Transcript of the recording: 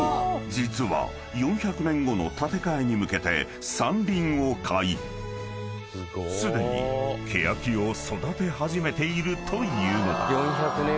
実は４００年後の建て替えに向けて山林を買いすでにケヤキを育て始めているというのだ］